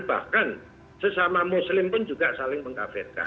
bahkan sesama muslim pun juga saling mengkafirkan